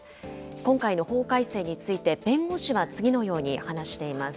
今回の法改正について、弁護士は次のように話しています。